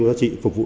và giá trị phục vụ